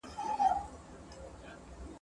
تا تر قیامته په اورغوي کي کتلای نه سم ..